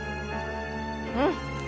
うん。